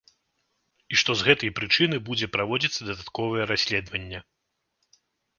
І што з гэтай прычыны будзе праводзіцца дадатковае расследаванне.